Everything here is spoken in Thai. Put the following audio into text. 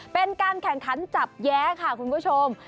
เป็นการแข่งขันจับแย้ค่ะคุณผู้ชม